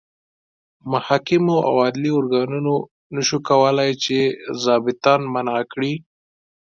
محاکمو او عدلي ارګانونو نه شوای کولای چې ظابیطان منع کړي.